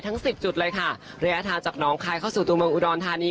ทั้ง๑๐จุดเลยค่ะระยะทางจากน้องคลายเข้าสู่ตรงบังอุดรณฑานี